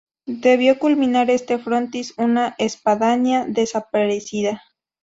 Debió culminar este frontis una espadaña desaparecida.